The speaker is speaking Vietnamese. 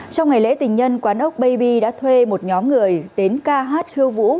trong ngày lễ tình nhân quán ốc baby đã thuê một nhóm người đến ca hát khiêu vũ